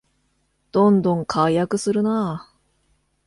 どんどん改悪するなあ